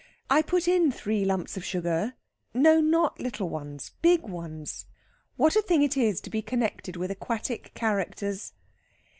(I put in three lumps of sugar.... No, not little ones big ones!) What a thing it is to be connected with aquatic characters!"